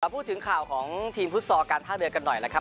พูดถึงข่าวของทีมฟุตซอลการท่าเรือกันหน่อยนะครับ